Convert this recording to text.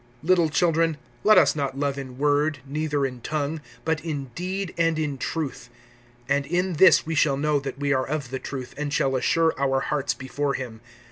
(18)Little children, let us not love in word, neither in tongue; but in deed and in truth. (19)And in this we shall know that we are of the truth, and shall assure our hearts before him.